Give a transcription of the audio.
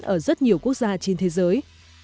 ở rất nhiều quốc gia trên thế giới